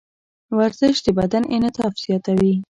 ورزش د بدن انعطاف زیاتوي.